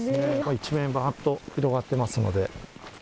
一面ばーっと広がってますので。